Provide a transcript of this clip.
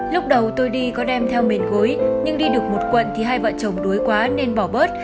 lúc đầu tôi đi có đem theo miền gối nhưng đi được một quận thì hai vợ chồng đuối quá nên bỏ bớt